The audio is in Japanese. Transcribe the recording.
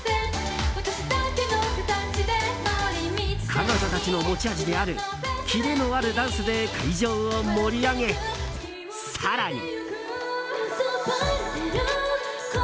彼女たちの持ち味であるキレのあるダンスで会場を盛り上げ、更に。